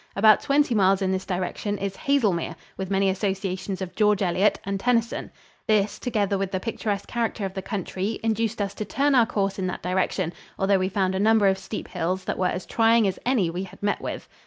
About twenty miles in this direction is Haselmere, with many associations of George Eliot and Tennyson. This, together with the picturesque character of the country, induced us to turn our course in that direction, although we found a number of steep hills that were as trying as any we had met with.